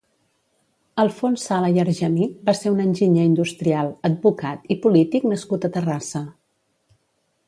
Alfons Sala i Argemí va ser un enginyer industrial, advocat i polític nascut a Terrassa.